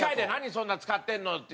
そんな使ってないよって。